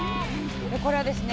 これはですね